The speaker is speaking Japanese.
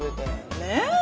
ねえ？